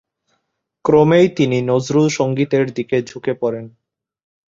ক্রমেই তিনি নজরুল সঙ্গীতের দিকে ঝুঁকে পড়েন।